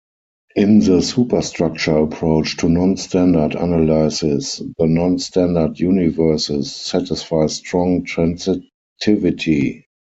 In the superstructure approach to non-standard analysis, the non-standard universes satisfy strong transitivity.